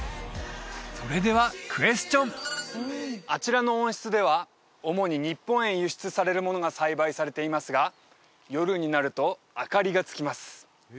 それではクエスチョンあちらの温室では主に日本へ輸出されるものが栽培されていますが夜になると明かりがつきます